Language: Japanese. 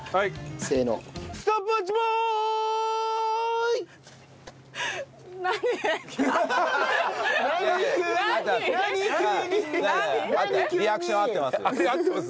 そのリアクション合ってます。